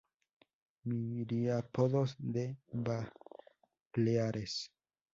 Miriápodos de Baleares.